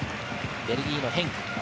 ベルギーのヘンク。